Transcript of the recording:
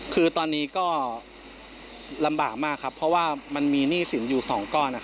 คือตอนนี้ก็ลำบากมากครับเพราะว่ามันมีหนี้สินอยู่๒ก้อน